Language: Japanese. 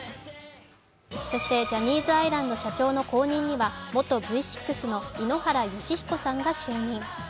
そしてジャニーズアイランド社長の後任には元Ｖ６の井ノ原快彦さんが就任。